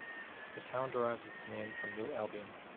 The town derives its name from New Albion.